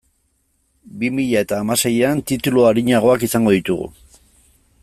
Bi mila eta hamaseian titulu arinagoak izango ditugu.